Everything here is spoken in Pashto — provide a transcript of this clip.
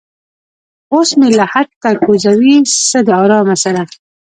اوس مې لحد ته کوزوي څه د ارامه سره